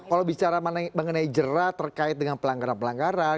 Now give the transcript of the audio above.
nah kalau bicara mengenai jerah terkait dengan pelanggaran pelanggaran